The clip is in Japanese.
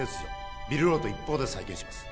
ビルロートⅠ法で再建します。